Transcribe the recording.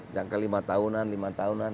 jangka lima tahunan lima tahunan